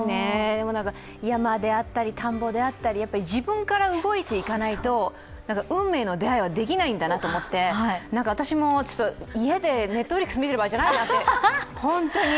山であったり田んぼであったり自分から動いていかないと運命の出会いはできないんだなと思って、私も家でＮｅｔｆｌｉｘ見てる場合じゃないなって、本当に。